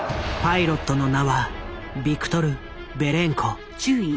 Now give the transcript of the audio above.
パイロットの名はビクトル・ベレンコ。